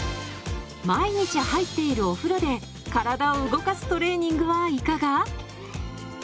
毎日入っているお風呂で体を動かすトレーニングはいかが？